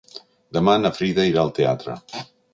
Demà na Frida irà al teatre.